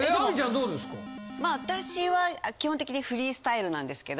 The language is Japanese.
私は基本的にフリースタイルなんですけど。